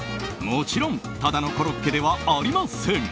もちろんただのコロッケではありません。